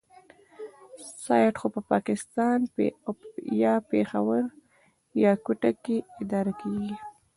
سایټ خو په پاکستان په پېښور يا کوټه کې اداره کېږي.